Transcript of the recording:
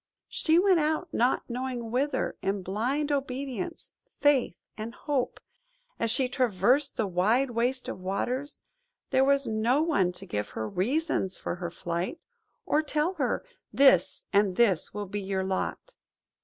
She "went out not knowing whither,"–in blind obedience, faith, and hope. As she traversed the wide waste of waters, there was no one to give her reasons for her flight, or tell her, "This and this will be your lot."